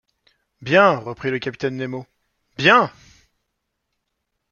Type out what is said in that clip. Bien, reprit le capitaine Nemo, bien!..